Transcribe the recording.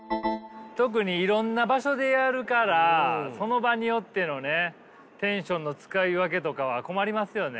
特にいろんな場所でやるからその場によってのねテンションの使い分けとかは困りますよね。